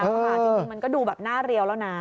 จริงมันก็ดูแบบหน้าเรียวแล้วนะ